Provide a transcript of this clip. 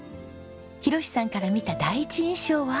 博さんから見た第一印象は？